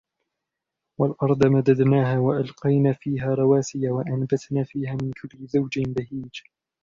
وَالْأَرْضَ مَدَدْنَاهَا وَأَلْقَيْنَا فِيهَا رَوَاسِيَ وَأَنْبَتْنَا فِيهَا مِنْ كُلِّ زَوْجٍ بَهِيجٍ